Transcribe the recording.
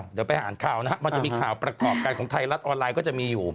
เดี๋ยวไปอ่านข่าวนะครับมันจะมีข่าวประกอบกันของไทยรัฐออนไลน์ก็จะมีอยู่